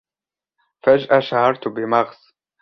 فجأه شعرت بمغص.